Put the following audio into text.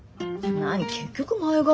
何結局前髪？